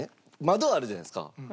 窓あるじゃないですか。